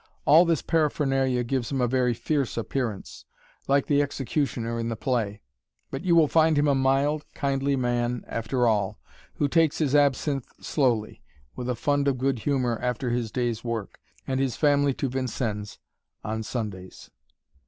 All this paraphernalia gives him a very fierce appearance, like the executioner in the play; but you will find him a mild, kindly man after all, who takes his absinthe slowly, with a fund of good humor after his day's work, and his family to Vincennes on Sundays.